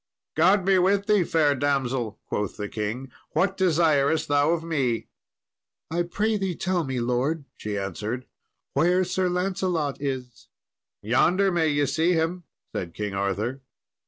"God be with thee, fair damsel," quoth the king; "what desirest thou of me?" "I pray thee tell me, lord," she answered, "where Sir Lancelot is." "Yonder may ye see him," said King Arthur.